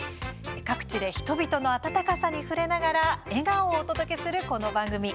各地で人々の温かさに触れながら笑顔をお届けするこの番組